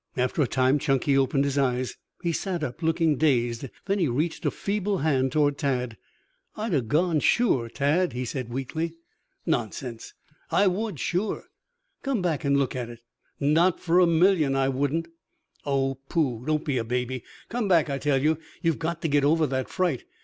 After a time Chunky opened his eyes. He sat up, looking dazed then he reached a feeble hand toward Tad. "I'd 'a' gone sure, Tad," he said weakly. "Nonsense!" "I would, sure." "Come back and look at it." "Not for a million, I wouldn't." "Oh, pooh! Don't be a baby. Come back, I tell you. You've got to get over that fright.